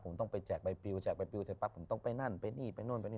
ผมต้องไปแจกใบปิวแจกใบปิวเสร็จปั๊บผมต้องไปนั่นไปนี่ไปนู่นไปนี่